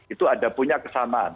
itu ada punya kesamaan